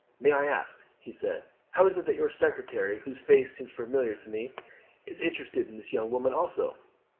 May I ask," he said, "how it is that your secretary, whose face seems familiar to me, is interested in this young woman also?"